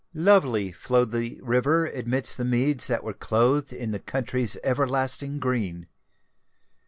Lovely flowed the river amidst the meads that were clothed in the country's everlasting green.